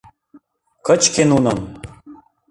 Кычке нуным!..